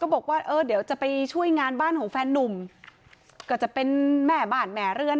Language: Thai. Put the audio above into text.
บอกว่าเออเดี๋ยวจะไปช่วยงานบ้านของแฟนนุ่มก็จะเป็นแม่บ้านแม่เรือน